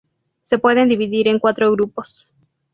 Se pueden dividir en cuatro grupos.